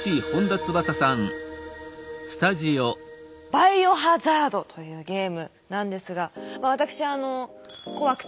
「バイオハザード」というゲームなんですがわたくしあの怖くて。